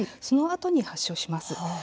そのあとに発症します。